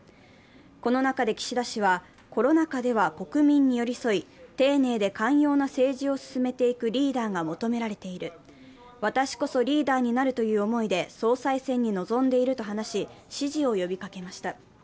この中で岸田氏はコロナ禍では国民に寄り添い丁寧で寛容な政治を進めていくリーダーが求められている、私こそリーダーになるという思いで総裁選に臨んでいると話し、支持を呼びかけました。